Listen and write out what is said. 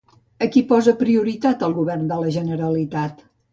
A qui posa prioritat el govern de la Generalitat?